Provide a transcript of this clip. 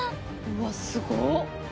うわすご。